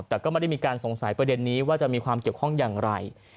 แต่ก็ไม่ได้มีการสงสัยประเด็นนี้ว่าจะมีความเกี่ยวข้องอย่างไร